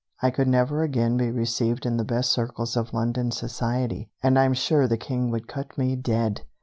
I could never again be received in the best circles of London society, and I'm sure the King would cut me dead!"